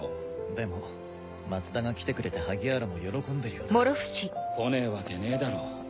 でも松田が来てくれて萩原も喜んでるよな。来ねえわけねぇだろ。